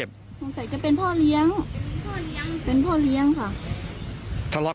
เพราะว่าได้ทุกวันน่ะเขาเป็นผู้ล่ะเหมาอ่ะ